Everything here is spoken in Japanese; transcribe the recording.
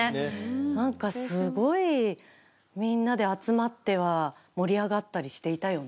なんかすごい、みんなで集まっては、盛り上がったりしていたよね。